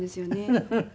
フフフフ。